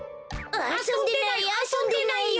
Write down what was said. あそんでないあそんでない。